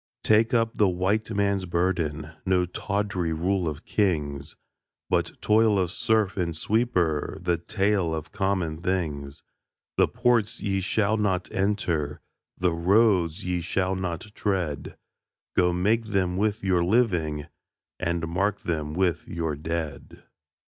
Take up the White Man's burden No tawdry rule of kings, But toil of serf and sweeper The tale of common things. The ports ye shall not enter, The roads ye shall not tread, Go make them with your living, And mark them with your dead.